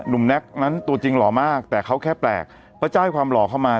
แน็กนั้นตัวจริงหล่อมากแต่เขาแค่แปลกเพราะจ้างให้ความหล่อเข้ามา